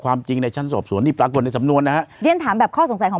ความจริงในชั้นสอบสวนที่ปรากฏในสำนวนนะฮะเรียนถามแบบข้อสงสัยของ